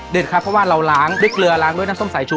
ครับเพราะว่าเราล้างด้วยเกลือล้างด้วยน้ำส้มสายชู